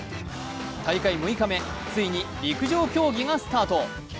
大会６日目、ついに陸上競技がスタート。